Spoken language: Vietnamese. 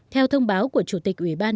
theo thông báo của chủ tịch ubnd